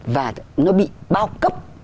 và nó bị bao cấp